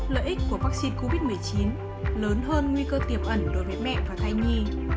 lợi ích của vaccine covid một mươi chín lớn hơn nguy cơ tiềm ẩn đối với mẹ và thai nhi